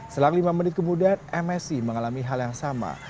setelah lima menit kemudian msi mengalami hal yang sama